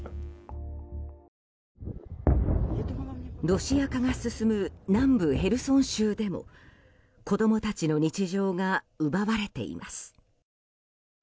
ロシア化が進む南部ヘルソン州でも子供たちの日常が奪われています。